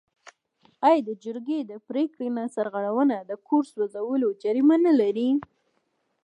آیا د جرګې د پریکړې نه سرغړونه د کور سوځول جریمه نلري؟